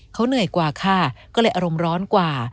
เขาเหนื่อยกว่าค่ะก็เลยอารมณ์ร้อนกว่า